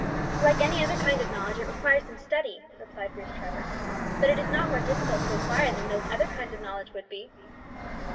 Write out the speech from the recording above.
"Like any other kind of knowledge, it requires some study," replied Bruce Trevor; "but it is not more difficult to acquire than those other kinds of knowledge would be."